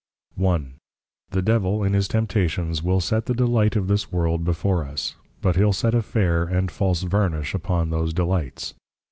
I. The Devil in his Temptations will set the Delight of this world before us; but he'll set a fair, and a false Varnish upon those Delights.